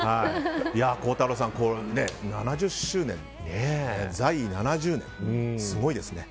孝太郎さん、在位７０年すごいですね。